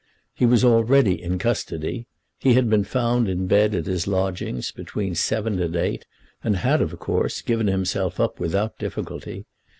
He was already in custody. He had been found in bed at his lodgings between seven and eight, and had, of course, given himself up without difficulty.